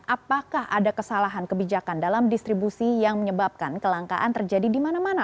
apakah ada kesalahan kebijakan dalam distribusi yang menyebabkan kelangkaan terjadi di mana mana